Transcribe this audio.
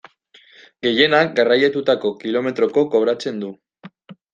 Gehienak garraiatutako kilometroko kobratzen du.